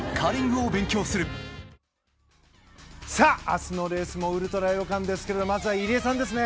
明日のレースもウルトラ予感ですがまずは入江さんですね。